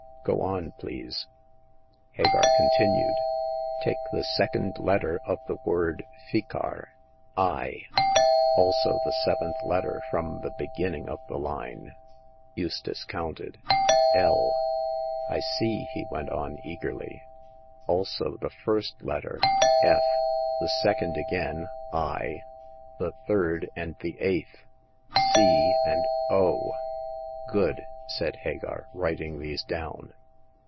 Go on, please." Hagar continued :Take the second letter of the word * Ficcar/ "Also the seventh letter from the beginning of the line." Eustace counted. L.' I see,*' he went on, eagerly. " Also the first letter, * F,' the second again, * i,' the third and the eighth, * c ' and * o.' "Good !" said Hagar, writing these down.